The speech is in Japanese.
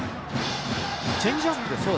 チェンジアップですね。